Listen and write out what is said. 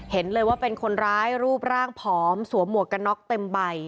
เห็นเลยว่าเป็นคนร้ายรูปร่างผอมสวมหมวกกันน็อกเต็มใบ